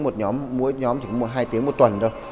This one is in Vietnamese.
mỗi nhóm chỉ có hai tiếng một tuần thôi